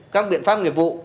các biện pháp nghiệp vụ